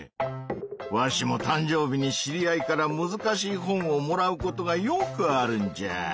わしもたんじょうびに知り合いからむずかしい本をもらうことがよくあるんじゃ。